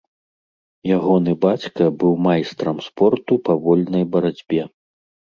Ягоны бацька быў майстрам спорту па вольнай барацьбе.